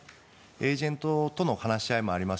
エージェントとの話し合いもあります